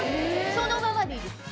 そのままでいいです。